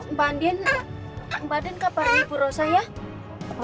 mbak andin mbak andin kabarnya ibu rosa ya